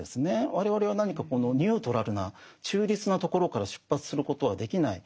我々は何かニュートラルな中立なところから出発することはできない。